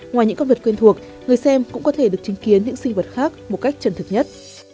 ngoài những con vật quen thuộc người xem cũng có thể được chứng kiến những sinh vật khác một cách chân thực nhất